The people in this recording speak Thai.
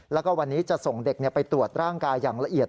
แล้วก็วันนี้จะส่งเด็กไปตรวจร่างกายอย่างละเอียด